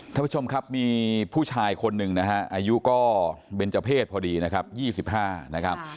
ท่านผู้ชมครับมีผู้ชายคนหนึ่งนะฮะอายุก็เบนเจอร์เพศพอดีนะครับ๒๕นะครับ